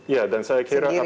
ya dan saya kira